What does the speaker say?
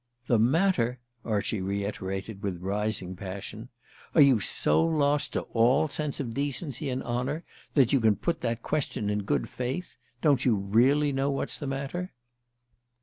"The matter?" Archie reiterated with rising passion. "Are you so lost to all sense of decency and honour that you can put that question in good faith? Don't you really know what's the matter?"